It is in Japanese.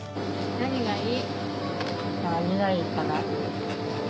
何がいい？